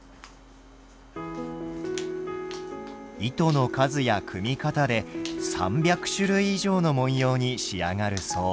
糸の数や組み方で３００種類以上の文様に仕上がるそう。